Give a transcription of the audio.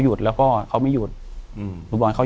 อยู่ที่แม่ศรีวิรัยิลครับ